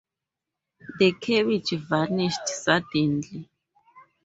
The cabbage vanished suddenly.